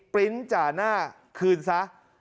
ปริ้นต์จ่าหน้าคืนซะ